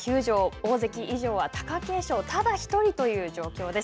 大関以上は貴景勝ただ１人という状況です。